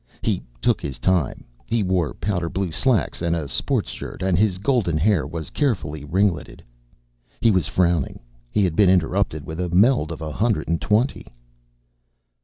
He took his time. He wore powder blue slacks and a sports shirt and his golden hair was carefully ringleted. He was frowning. He had been interrupted with a meld of a hundred and twenty.